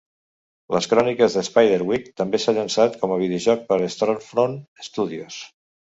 "Les Cròniques de Spiderwick" també s'ha llançat com a videojoc per Stormfront Studios.